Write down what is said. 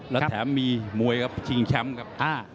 และแถมมีมวยครับชิงแชมป์ครับ